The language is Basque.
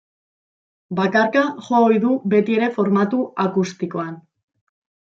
Bakarka jo ohi du betiere formatu akustikoan.